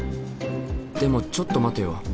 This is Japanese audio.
でもちょっと待てよ。